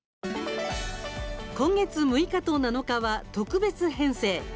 今月６日と７日は特別編成。